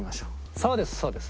そうですそうです。